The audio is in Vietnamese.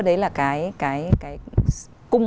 đấy là cái cung